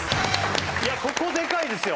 いやここデカいですよ